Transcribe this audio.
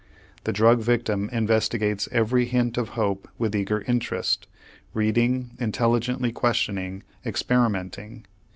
The drug victim investigates every hint of hope with eager interest, reading, intelligently questioning, experimenting.